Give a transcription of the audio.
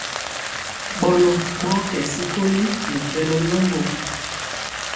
Ɓɔnɔ ɓɔɔ kɛ sikoli nɛ pɛlɔ yombo.